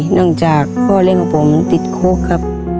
เนื่องจากพ่อเล่นของผมติดโค้กครับ